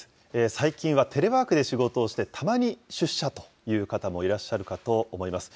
最近はテレワークで仕事をして、たまに出社という方もいらっしゃるかと思います。